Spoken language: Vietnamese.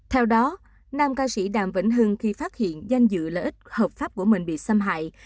theo đó nam ca sĩ đàm vĩnh hưng khi phát hiện danh dự lợi ích hợp pháp của mình bị xâm hại